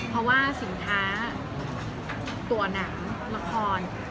เพราะว่าสินค้าตัวหนังละคร